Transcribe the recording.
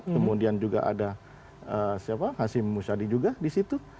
kemudian juga ada hasim musadi juga di situ